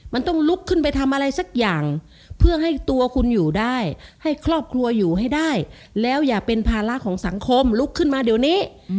มันต้องลุกขึ้นไปทำอะไรสักอย่างเพื่อให้ตัวคุณอยู่ได้ให้ครอบครัวอยู่ให้ได้แล้วอย่าเป็นภาระของสังคมลุกขึ้นมาเดี๋ยวนี้